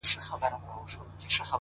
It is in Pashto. تمرکز بریا ته لاره لنډوي!